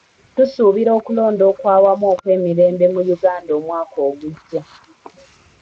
Tusuubira okulonda okw'awamu okw'emirembe mu Uganda omwaka ogujja.